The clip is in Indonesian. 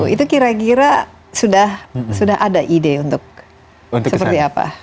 itu kira kira sudah ada ide untuk seperti apa